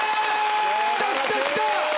きたきたきた！